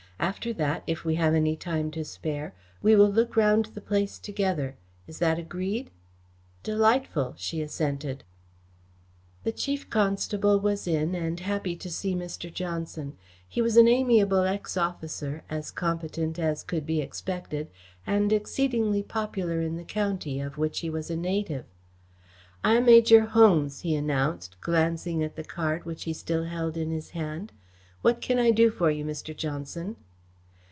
After that, if we have any time to spare, we will look round the place together. Is that agreed?" "Delightful!" she assented. The Chief Constable was in and happy to see Mr. Johnson. He was an amiable ex officer, as competent as could be expected, and exceedingly popular in the county, of which he was a native. "I am Major Holmes," he announced, glancing at the card which he still held in his hand. "What can I do for you, Mr. Johnson?"